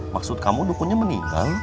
maksud kamu dukunnya meninggal